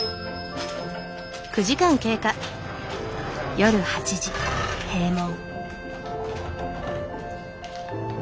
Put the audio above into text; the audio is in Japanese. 夜８時閉門。